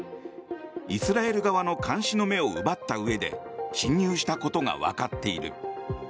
イスラエル側の監視の目を奪ったうえで侵入したことがわかっている。